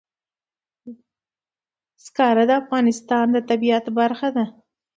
زغال د افغانستان د طبیعت برخه ده.